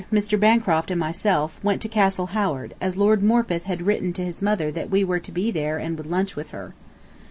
Lady Webster, Mr. Bancroft, and myself, went to Castle Howard, as Lord Morpeth had written to his mother that we were to be there and would lunch with her.